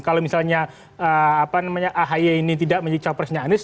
kalau misalnya apa namanya ahi ini tidak menjadi capresnya anies